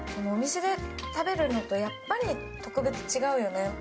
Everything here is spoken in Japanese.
お店で食べるのとやっぱり特別違うよね。